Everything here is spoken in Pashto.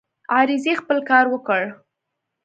عریضې خپل کار وکړ.